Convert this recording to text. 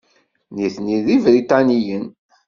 Nitni d Ibriṭaniyen.